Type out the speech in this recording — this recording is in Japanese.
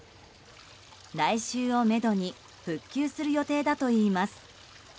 来週をめどに復旧する予定だといいます。